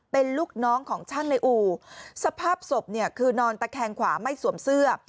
เป็นลูกน้องของช่างในอู่สภาพศพเนี่ยคือนอนตะแคงขวาไม่สวมเสื้อ